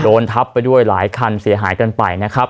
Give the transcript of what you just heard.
โดนทับไปด้วยหลายคันเสียหายกันไปนะครับ